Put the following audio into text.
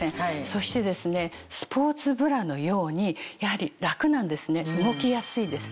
そしてスポーツブラのようにやはり楽なんですね動きやすいです。